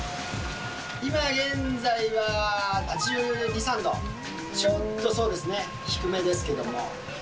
今、現在は８２、３度ちょっと、そうですね、低めですけども。